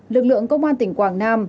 lực lượng công an tỉnh quảng nam